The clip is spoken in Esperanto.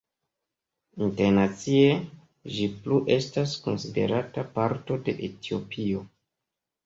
Internacie ĝi plu estas konsiderata parto de Etiopio.